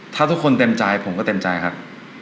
ถ้าทุกคนเต็มใจผมก็เต็มใจครับ